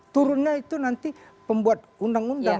turunnya itu nanti pembuat undang undang